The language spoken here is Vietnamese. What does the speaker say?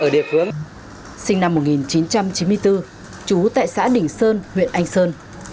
sinh năm một nghìn chín trăm chín mươi bốn chú tại xã đỉnh sơn huyện anh sơn